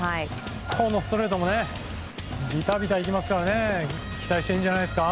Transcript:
ストレートもビタビタいきますから期待していいんじゃないですか。